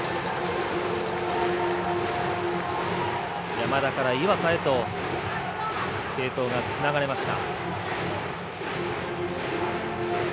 山田から岩佐へと継投がつながれました。